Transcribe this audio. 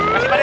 kasih pak de